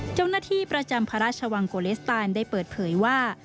เจ้าหน้าที่ประจำพระราชวังโกเลสตานได้เปิดเผยว่า